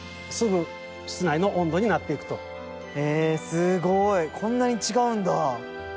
すごいこんなに違うんだ。